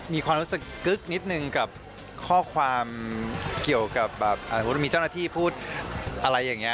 มีความรู้สึกกึ๊กนิดนึงกับข้อความเกี่ยวกับแบบสมมุติมีเจ้าหน้าที่พูดอะไรอย่างนี้